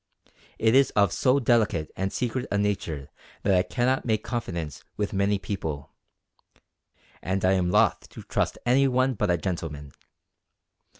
It is of so delicate and secret a nature that I cannot make confidence with many people, and I am loth to trust any one but a gentleman.